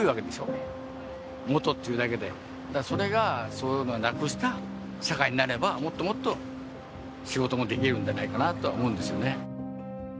そういうのをなくした社会になればもっともっと仕事もできるんじゃないかなとは思うんですよね。